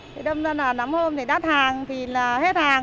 thì đâm ra là năm hôm thì đắt hàng thì hết hàng